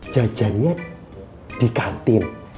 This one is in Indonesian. jajannya di kantin